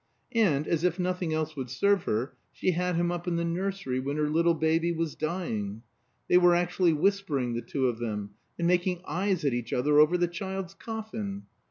And, as if nothing else would serve her, she had him up in the nursery when her little baby was dying. They were actually whispering the two of them, and making eyes at each other over the child's coffin.